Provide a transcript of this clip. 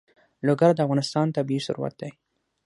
لوگر د افغانستان طبعي ثروت دی.